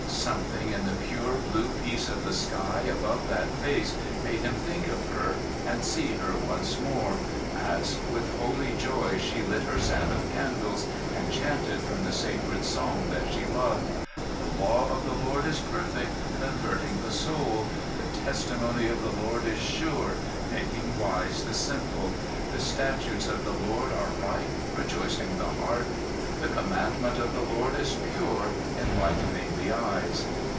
Something in the pure blue peace of the sky above that Face made him think of her and see her once more, as with holy joy she lit her Sabbath candles and chanted from the sacred song that she loved: "The law of the Lord is perfect, converting the Soul; the testimony of the Lord is sure, making wise the simple. The statutes of the Lord are right, rejoicing the heart; the commandment of the Lord is pure, enlightening the eyes."